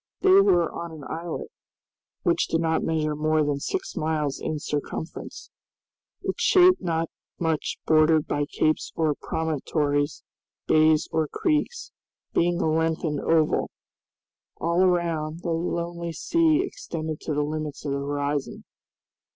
They were on an islet, which did not measure more than six miles in circumference, its shape not much bordered by capes or promontories, bays or creeks, being a lengthened oval. All around, the lonely sea extended to the limits of the horizon.